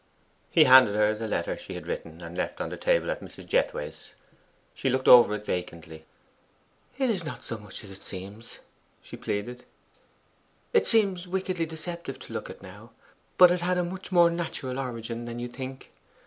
He handed her the letter she had written and left on the table at Mrs. Jethway's. She looked over it vacantly. 'It is not so much as it seems!' she pleaded. 'It seems wickedly deceptive to look at now, but it had a much more natural origin than you think.